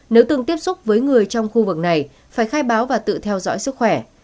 nếu từng tiếp xúc với người trong khu vực này phải khai báo và tự theo dõi sức khỏe